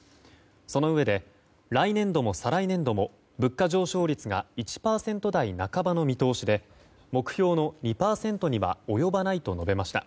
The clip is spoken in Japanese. そのうえで、来年度も再来年度も物価上昇率が１％台半ばの見通しで目標の２％には及ばないと述べました。